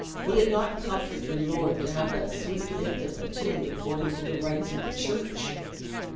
Would it not comfort your lord to have that sweet victim entombed according to the rites of the church?"